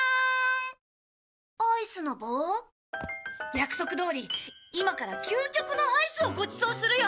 約束どおり今から究極のアイスをごちそうするよ。